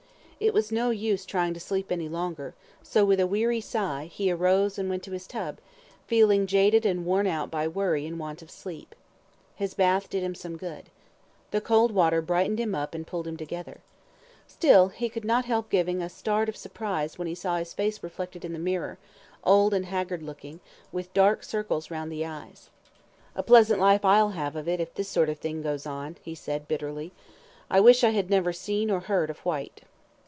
It was no use trying to sleep any longer, so, with a weary sigh, he arose and went to his tub, feeling jaded and worn out by worry and want of sleep. His bath did him some good. The cold water brightened him up and pulled him together. Still he could not help giving a start of surprise when he saw his face reflected in the mirror, old and haggard looking, with dark circles round the eyes. "A pleasant life I'll have of it if this sort of thing goes on," he said, bitterly, "I wish I had never seen, or heard of Whyte."